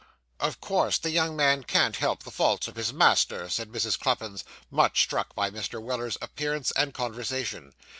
'Of course, the young man can't help the faults of his master,' said Mrs. Cluppins, much struck by Mr. Weller's appearance and conversation.